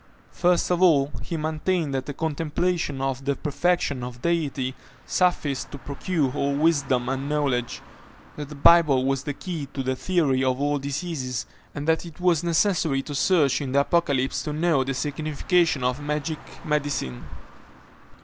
First of all, he maintained that the contemplation of the perfection of the Deity sufficed to procure all wisdom and knowledge; that the Bible was the key to the theory of all diseases, and that it was necessary to search into the Apocalypse to know the signification of magic medicine.